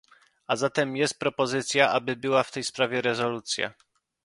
A zatem jest propozycja, aby była w tej sprawie rezolucja